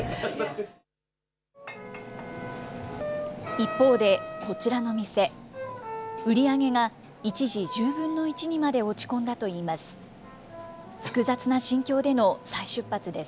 一方で、こちらの店、売り上げが一時１０分の１にまで落ち込んだといいます。